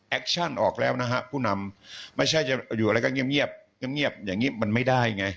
ชั่นออกแล้วนะฮะผู้นำไม่ใช่จะอยู่อะไรก็เงียบเงียบอย่างนี้มันไม่ได้ไง